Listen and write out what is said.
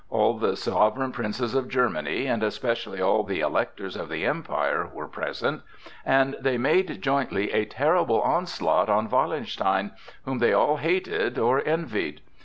All the sovereign princes of Germany, and especially all the Electors of the Empire were present, and they made jointly a terrible onslaught on Wallenstein, whom they all hated or envied.